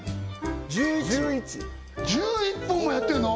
１１？１１本もやってるの？